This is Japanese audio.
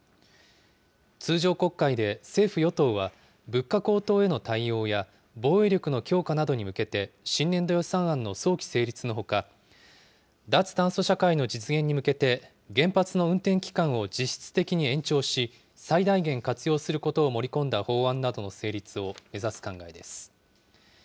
通常国会で政府・与党は物価高騰への対応や、防衛力の強化などに向けて、新年度予算案の早期成立のほか、脱炭素社会の実現に向けて原発の運転期間を実質的に延長し、最大限活用することを盛り込んだ法案などの成立を目指す考えです。